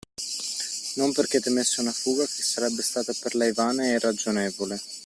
Non perché temesse una fuga, che sarebbe stata per lei vana e irragionevole